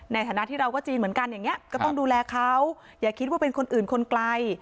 ในฐานะที่เราก็จีนเหมือนกันอย่างนี้ก็ต้องดูแลเขาอย่าคิดว่าเป็นคนอื่นคนไกล